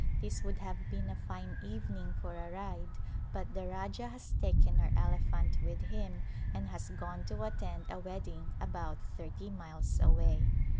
This would have been a fine evening for a ride but the Rajah has taken our elephant with him and has gone to attend a wedding about thirty miles away.